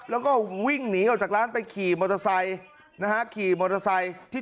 แล้วก็วิ่งหนีออกจากร้านไปขี่มอเตอร์ไซค์นะฮะขี่มอเตอร์ไซค์ที่